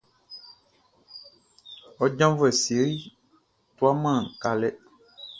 Ɔ janvuɛ Sery tuaman kalɛ.